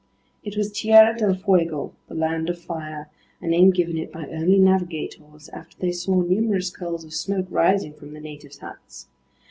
It was Tierra del Fuego, the Land of Fire, a name given it by early navigators after they saw numerous curls of smoke rising from the natives' huts.